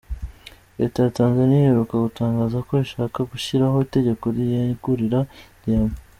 Leta ya Tanzania iheruka gutangaza ko ishaka gushyiraho itegeko riyegurira diamant.